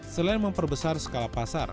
selain memperbesar skala pasar